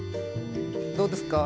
どうですか？